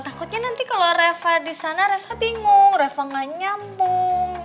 takutnya nanti kalau reva di sana reva bingung reva nggak nyambung